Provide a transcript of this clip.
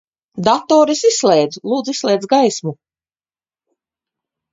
Datoru es izslēdzu. Lūdzu, izslēdz gaismu.